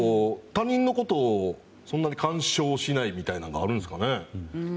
他人のことをそんなに干渉しないみたいなのがあるんですかね。